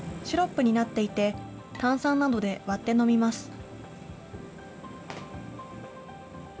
シロップになっていて、炭酸などで割って飲みます。